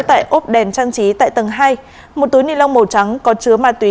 tại ốp đèn trang trí tại tầng hai một túi ni lông màu trắng có chứa ma túy